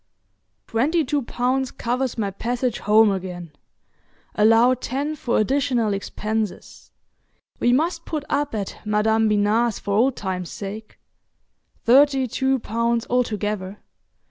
Twenty two pounds covers my passage home again. Allow ten for additional expenses. We must put up at Madam Binat's for old time's sake. Thirty two pounds altogether.